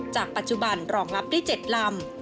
จากปัจจุบันรองรับได้๗ลำ